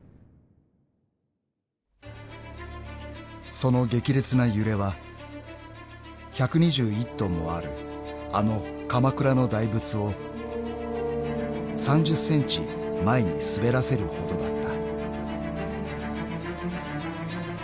［その激烈な揺れは１２１ｔもあるあの鎌倉の大仏を３０ｃｍ前に滑らせるほどだった］